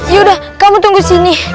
yaudah kamu tunggu sini